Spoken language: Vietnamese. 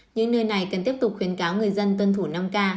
những nơi này cần tiếp tục khuyến cáo người dân tuân thủ năm k